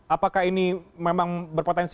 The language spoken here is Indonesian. apakah ini memang berpotensi